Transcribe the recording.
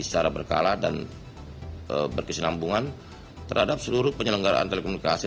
secara berkala dan berkesinambungan terhadap seluruh penyelenggaraan telekomunikasi